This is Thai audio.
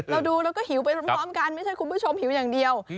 เราดูแล้วก็หิวไปพร้อมกันไม่ใช่คุณผู้ชมหิวอย่างเดียว